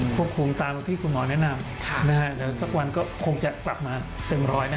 ควบคุมตามที่คุณหมอแนะนำสักวันคงจะกลับมาเต็มร้อยนะ